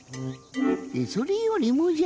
それよりもじゃ。